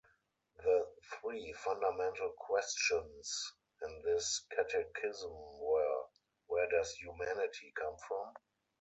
The three fundamental questions in this catechism were: Where does humanity come from?